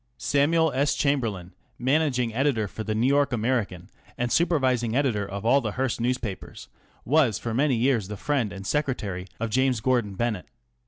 Samuel S. Chamberlain, managing editor of the Nfiu York American and supervising editor of all the Hearst newspapers, was for many years the friend and secretary of James Gordon Bennett.